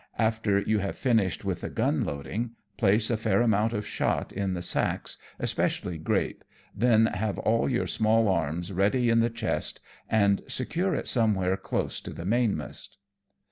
After you have finished with the gun loading, place a fair amount of shot in the sacks, especially grape, then have all your small arms ready in the chest, and secure it somewhere close to the mainmast."